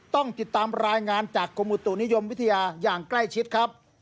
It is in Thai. ต้องติดตามรายงานจากกรมอุตุนิยมวิทยาอย่างใกล้ชิดครับ